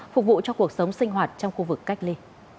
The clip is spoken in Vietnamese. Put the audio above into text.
phục vụ cho cuộc sống sinh hoạt trong khu vực cách ly